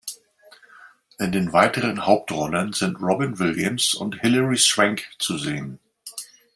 In den weiteren Hauptrollen sind Robin Williams und Hilary Swank zu sehen.